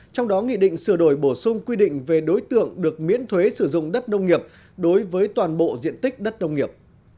trong đó nghị định sửa đổi bổ sung quy định về đối tượng được miễn thuế sử dụng đất nông nghiệp đối với toàn bộ diện tích đất nông nghiệp